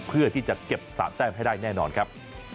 เพื่อที่จะเก็บ๓แต้มให้ได้แน่นอนครับ